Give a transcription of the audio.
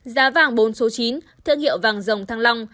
giá vàng bốn số chín thương hiệu vàng dòng thăng long